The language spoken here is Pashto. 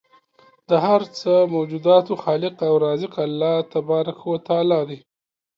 د هر څه موجوداتو خالق او رازق الله تبارک و تعالی دی